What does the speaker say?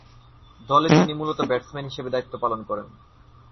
দলে তিনি মূলতঃ ব্যাটসম্যান হিসেবে দায়িত্ব পালন করেন।